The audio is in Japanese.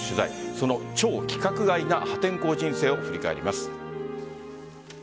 その超規格外な破天荒人生を振り返ります。